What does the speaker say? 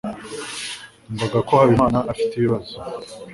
Numvaga ko Habimana afite ibibazo.